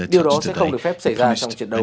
điều đó sẽ không được phép xảy ra trong trận đấu